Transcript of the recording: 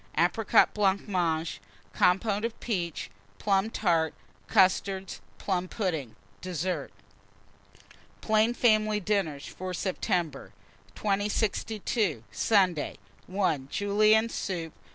Apricot Blancmange. Compôte of peaches. Plum Tart. Custards. Plum pudding. DESSERT. PLAIN FAMILY DINNERS FOR SEPTEMBER. 2062. Sunday. 1. Julienne soup. 2.